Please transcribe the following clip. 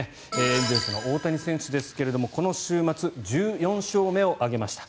エンゼルスの大谷選手ですがこの週末１４勝目を挙げました。